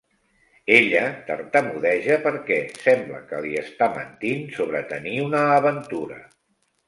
Ella tartamudeja perquè sembla que li està mentint sobre tenir una aventura.